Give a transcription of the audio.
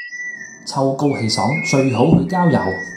秋高氣爽最好去郊遊